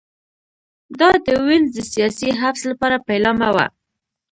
دا د وینز د سیاسي حبس لپاره پیلامه وه